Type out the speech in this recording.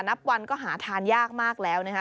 นับวันก็หาทานยากมากแล้วนะคะ